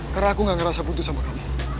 karena aku gak ngerasa putus sama kamu